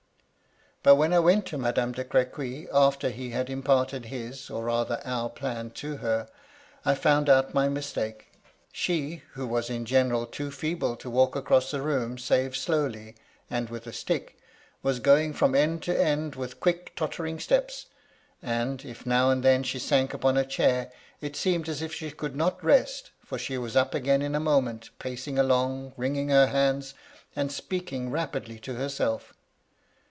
" But when T went to Madame de Crequy — after be had imparted his, or rather our plan to her — ^I found out my mistake. She, who was in general too feeble to walk across the room save slowly, and with a stick, was going from end to end with quick, tottering steps ; and, if now and then she sank upon a chair, it seemed as if she could not rest, for she was up again in a moment, pacing along, wringing her hands, and speaking rapidly to herself.